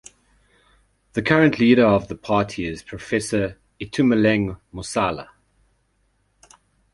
The current leader of the party is Professor Itumeleng Mosala.